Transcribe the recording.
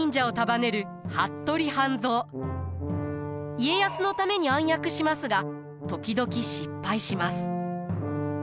家康のために暗躍しますが時々失敗します。